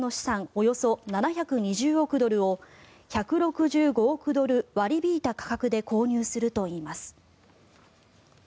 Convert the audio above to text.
およそ７２０億ドルを１６５億ドル割り引いた価格で購入するといいます。